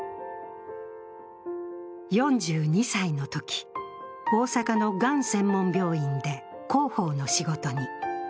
４２歳のとき、大阪のがん専門病院で広報の仕事に。